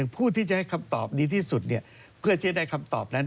ผู้ที่จะให้คำตอบดีที่สุดเพื่อที่จะได้คำตอบนั้น